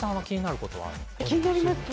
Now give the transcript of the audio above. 気になります。